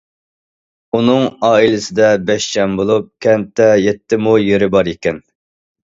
ئۇنىڭ ئائىلىسىدە بەش جان بولۇپ، كەنتتە يەتتە مو يېرى بار ئىكەن.